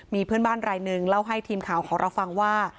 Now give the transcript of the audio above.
มีเพื่อนบ้านรายหนึ่งเล่าให้ทีมข่าวของเราฟังว่า